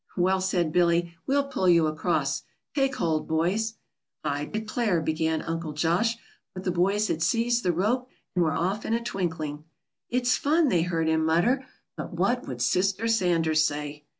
"Well," said Billy, "we'll pull you across. Take hold, boys." "I declare!" began Uncle Josh; but the boys had seized the rope, and were off in a twinkling. "It's fun," they heard him mutter; "but what would Sister Sanders say?"